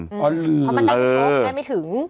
เพราะมันได้ไม่ถึง